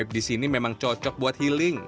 di sini memang cocok buat healing